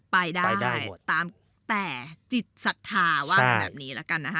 ไปได้ตามแต่จิตศรัทธาว่ากันแบบนี้แล้วกันนะคะ